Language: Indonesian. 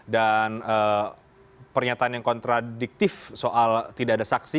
dan pernyataan yang kontradiktif soal tidak ada saksi